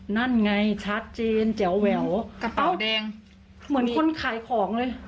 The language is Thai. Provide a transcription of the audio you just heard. นั่นไงชัดเจนแจ๋วแหววกระเป๋าแดงเหมือนคนขายของเลย